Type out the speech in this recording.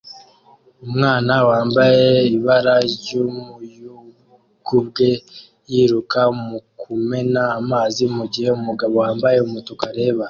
Umwana wambaye ibara ry'umuyugubwe yiruka mu kumena amazi mugihe umugabo wambaye umutuku areba